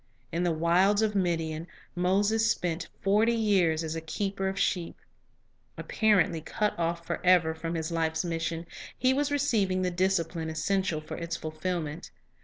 In the wilds of Midian, Moses spent forty years as a keeper of sheep. Apparently cut off forever from his life's mission, he was receiving the discipline essential for its fulfilment.